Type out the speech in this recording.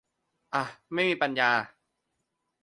อ่ะ ไม่มีปัญญา